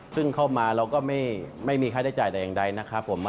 ซึ่งเข้ามาเราก็ไม่มีค่าได้จ่ายแต่อย่างใดนะครับผม